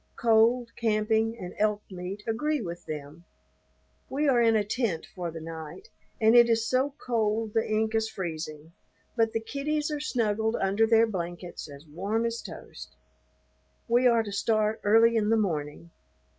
Cold, camping, and elk meat agree with them. We are in a tent for the night, and it is so cold the ink is freezing, but the kiddies are snuggled under their blankets as warm as toast. We are to start early in the morning.